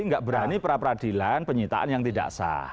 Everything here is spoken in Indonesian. nggak berani peradilan penyitaan yang tidak sah